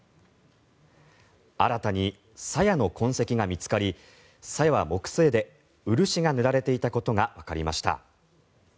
新たにさやの痕跡が見つかりさやは木製で漆が塗られていたことがわかりました。